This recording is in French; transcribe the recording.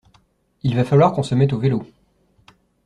Il va falloir qu’on se mette au vélo.